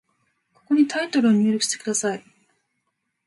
ここにタイトルを入力してください。